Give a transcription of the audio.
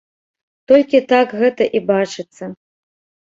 Толькі так гэта і бачыцца.